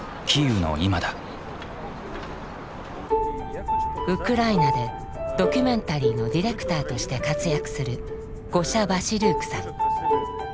ウクライナでドキュメンタリーのディレクターとして活躍するゴシャ・ヴァシルークさん。